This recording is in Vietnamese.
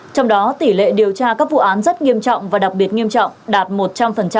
trong đó tỷ lệ điều tra các vụ án rất nghiêm trọng và đặc biệt nghiêm trọng đạt một trăm linh